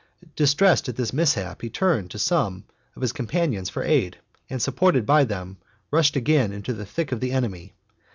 Distressed at this mishap, he turned to. some of his.companions for.aid, and supported by them rushed again into the thick of the enemy.